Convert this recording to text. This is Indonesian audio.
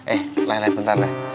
eh leleh bentar deh